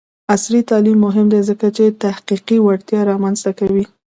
عصري تعلیم مهم دی ځکه چې تحقیقي وړتیا رامنځته کوي.